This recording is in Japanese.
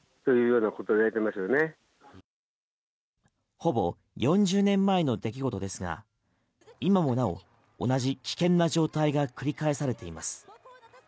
ほぼ４０年前の出来事ですが今もなお同じ危険な状態が繰り返されています。